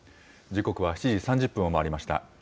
時刻は７時３０分を回りました。